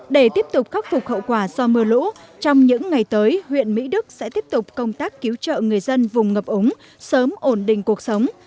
để tiếp tục khắc phục hậu quả do mưa lũ trong những ngày tới huyện mỹ đức sẽ tiếp tục công tác cứu trợ người dân vùng ngập ống sớm ổn định cuộc sống